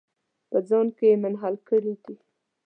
په ځان کې یې منحل کړي دي.